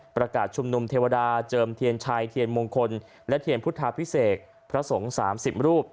ประกาศชุมนุมเทวดาเจิมเทียนชัยเทียนมงคลและเทียนพุทธาพิเศษพระสงฆ์๓๐รูป